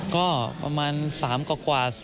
ก็ประมาณ๓กว่า